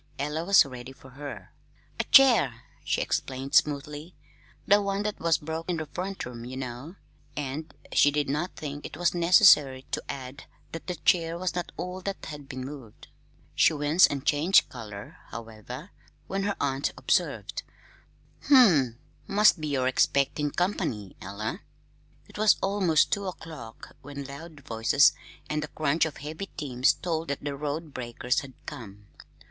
Ella was ready for her. "A chair," she explained smoothly; "the one that was broke in the front room, ye know." And she did not think it was necessary to add that the chair was not all that had been moved. She winced and changed color, however, when her aunt observed: "Humph! Must be you're expectin' company, Ella." It was almost two o'clock when loud voices and the crunch of heavy teams told that the road breakers had come.